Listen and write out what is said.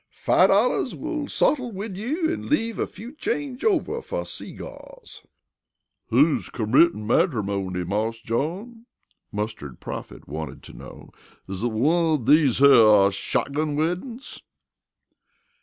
Five dollars will sottle wid you an' leave a few change over fer seegaws." "Who's cormittin' mattermony, Marse John?" Mustard Prophet wanted to know. "Is it one of dese here shotgun weddin's?"